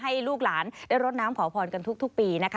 ให้ลูกหลานได้รดน้ำขอพรกันทุกปีนะคะ